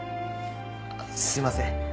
すいません。